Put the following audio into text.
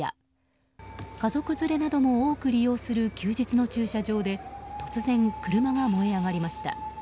家族連れなども多く利用する休日の駐車場で突然、車が燃え上がりました。